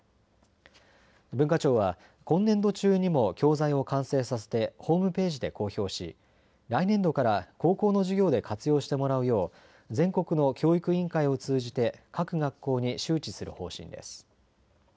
文化庁は今年度中にも教材を完成させてホームページで公表し来年度から高校の授業で活用してもらうよう全国の教育委員会を通じて各学校に周知する方針です。